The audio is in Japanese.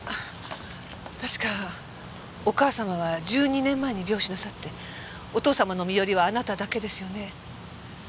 確かお母さまは１２年前に病死なさってお父さまの身寄りはあなただけですよね？